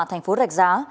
thành phố rạch giá